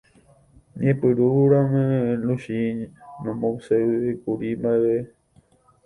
Ñepyrũrãme Luchi nomombe'uséikuri mba'eve.